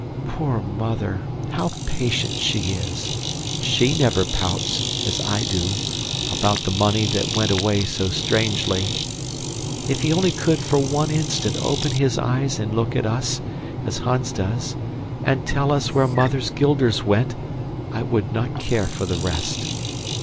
Poor mother, how patient she is; SHE never pouts, as I do, about the money that went away so strangely. If he only could, for one instant, open his eyes and look at us, as Hans does, and tell us where mother's guilders went, I would not care for the rest.